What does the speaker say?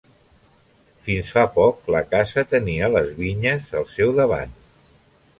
Fins fa poc la casa tenia les vinyes al seu davant.